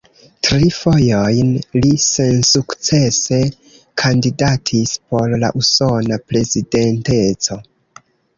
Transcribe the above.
Tri fojojn li sensukcese kandidatis por la usona prezidenteco.